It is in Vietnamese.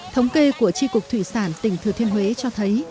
thống kê của tri cục thủy sản tỉnh thừa thiên huế cho thấy